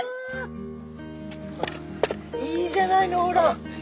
いいじゃないの？